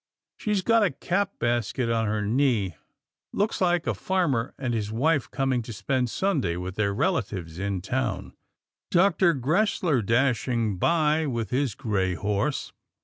She's got a cap basket on her knee. Looks like a farmer and his wife coming to spend Sunday with their relatives in town — Dr. Gresler dashing by with his gray horse.